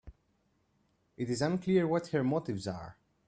It is unclear what her motives are.